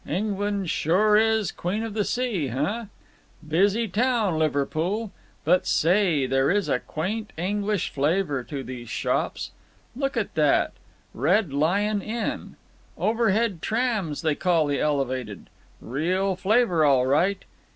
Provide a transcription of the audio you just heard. England sure is queen of the sea, heh? Busy town, Liverpool. But, say, there is a quaint English flavor to these shops…. Look at that: 'Red Lion Inn.'… 'Overhead trams' they call the elevated. Real flavor, all right.